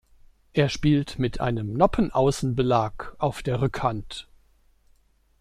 Er spielt mit einem Noppen-außen-Belag auf der Rückhand.